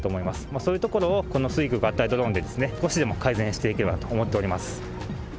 そういうところをこの水空合体ドローンで、少しでも改善していければと思っております。